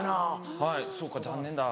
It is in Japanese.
はいそうか残念だ。